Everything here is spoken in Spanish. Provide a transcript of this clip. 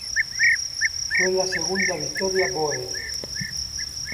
Fue la segunda victoria bóer.